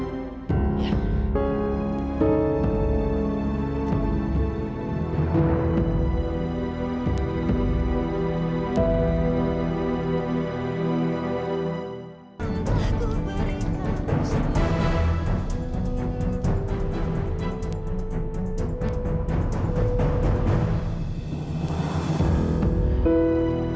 aku harus kantor